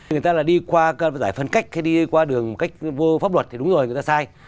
người ta là đi qua giải phân cách hay đi qua đường cách vô pháp luật thì đúng rồi người ta sai